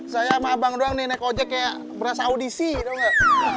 saya sama bang doang nenek ojek kayak berasa audisi tau gak